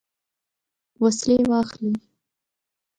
وسلې واخلي.